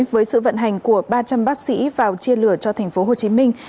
với sự vận hành của ba trăm linh bác sĩ vào chia lửa cho thành phố hồ chí minh